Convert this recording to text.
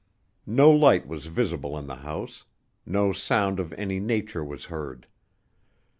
No light was visible in the house; no sound of any nature was heard.